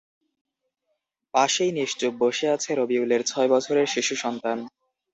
পাশেই নিশ্চুপ বসে আছে রবিউলের ছয় বছরের শিশুসন্তান।